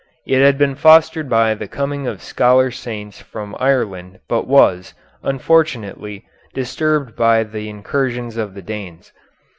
It had been fostered by the coming of scholar saints from Ireland, but was, unfortunately, disturbed by the incursions of the Danes.